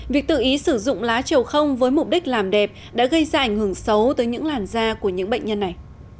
việc tự ý sử dụng lá trầu không với mục đích làm đẹp đã gây ra ảnh hưởng xấu tới những làn da của những bệnh nhân này